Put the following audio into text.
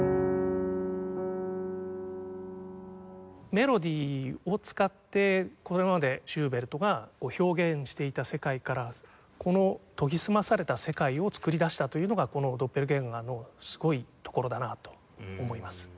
メロディを使ってこれまでシューベルトが表現していた世界からこの研ぎ澄まされた世界を作り出したというのがこの『ドッペルゲンガー』のすごいところだなと思います。